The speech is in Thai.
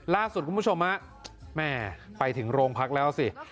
ล่าสุดคุณผู้ชมฮะแม่ไปถึงโรงพักแล้วสิ